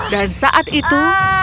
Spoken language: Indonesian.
dan saat itu